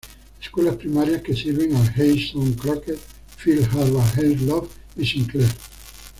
Escuelas primarias que sirven el Heights son Crockett, Field, Harvard, Helms, Love, y Sinclair.